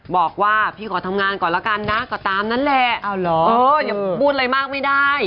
บอกว่าพี่ขอทำงานก่อนแล้วกันนะก็ตามนั้นแหละอย่าพูดอะไรมากไม่ได้